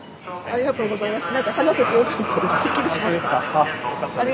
ありがとうございます。